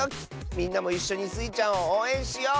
みんなもいっしょにスイちゃんをおうえんしよう！